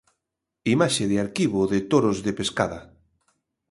Imaxe de arquivo de toros de pescada.